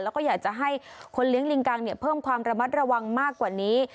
แล้วก็อยากจะให้คนเลี้ยงลิงกังเพิ่มความระมัดระวังมากกว่านี้